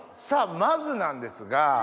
さぁまずなんですが。